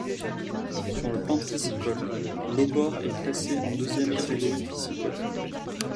Sur le plan piscicole, l'Aubord est classé en deuxième catégorie piscicole.